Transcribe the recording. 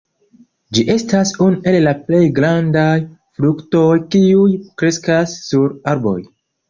Ĝi estas unu el la plej grandaj fruktoj kiuj kreskas sur arboj.